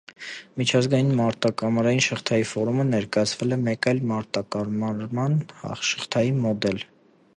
Միջազգային մատակարարման շղթայի ֆորումը ներկայացրել է մեկ այլ մատակարարման շղթայի մոդել։